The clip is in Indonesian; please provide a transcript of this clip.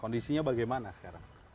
kondisinya bagaimana sekarang